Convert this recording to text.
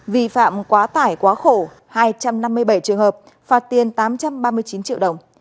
vi phạm quá tải quá khổ hai trăm năm mươi bảy trường hợp phạt tiền tám trăm ba mươi chín triệu đồng